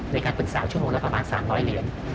ในการปรึกษาชั่วโมงละประมาณ๓๐๐เหรียญ